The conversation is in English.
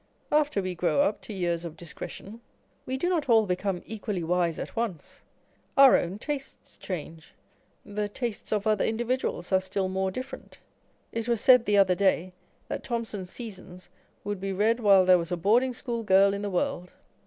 After we grow up to years of discretion, we do not all become equally wise at once. Our own tastes change : the tastes of other individuals are still more different. It was said the other day, that Thomson's Seasons would be read while there was a boarding school girl in the world.